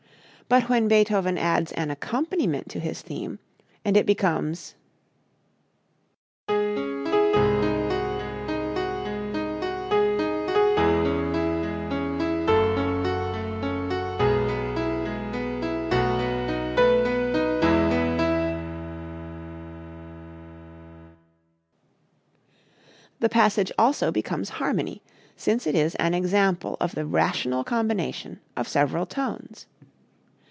But when Beethoven adds an accompaniment to his theme and it becomes: [Music illustration] the passage also becomes harmony, since it is an example of the rational combination of several tones.